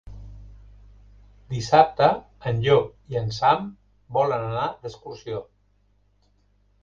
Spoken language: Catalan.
Dissabte en Llop i en Sam volen anar d'excursió.